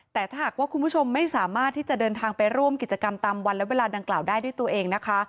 แต่ถ้าหากว่าคุณผู้ชมไม่สามารถที่จะเดินทางไปร่วมกิจกรรมตามวันและเวลาดังกล่าวได้ด้วยตัวเองนะคะ